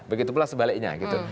begitu pula sebaliknya gitu